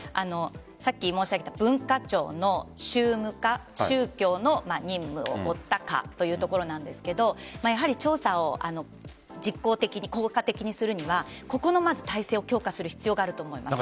さっき申し上げた文化庁の宗務課宗教の任務を負った課というところなんですが調査を実効的に効果的にするにはここの体制を強化する必要があると思います。